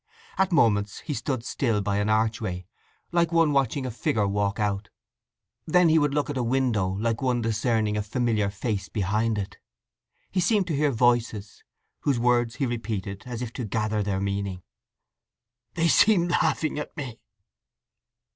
At moments he stood still by an archway, like one watching a figure walk out; then he would look at a window like one discerning a familiar face behind it. He seemed to hear voices, whose words he repeated as if to gather their meaning. "They seem laughing at me!"